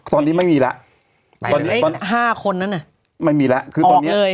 ตอนนี้ไม่มีแล้วตอนนี้ห้าคนนั้นน่ะไม่มีแล้วคือตอนนี้เลย